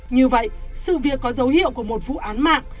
như vậy sự việc có dấu hiệu của một vụ án mạng